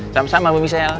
sama sama bumi sel